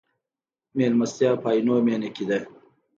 مېلمستیا په عینومېنه کې ده.